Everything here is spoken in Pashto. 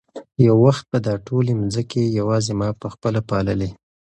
یو وخت به دا ټولې مځکې یوازې ما په خپله پاللې.